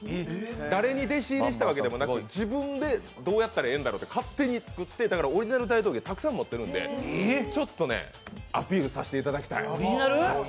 誰に弟子入りしたわけでもなく自分でどうやったらええんだろうって勝手に作ってオリジナル大道芸いっぱい持ってるんでちょっとね、アピールさせていただきたい。